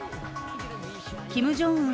キム・ジョンウン